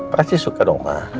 pasti suka dong ma